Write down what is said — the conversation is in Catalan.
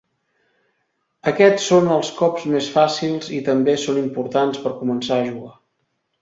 Aquests són els cops més fàcils i també són importants per començar a jugar.